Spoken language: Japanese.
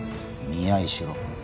見合いしろ。